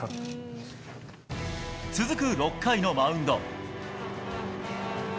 続く６回のマウンド。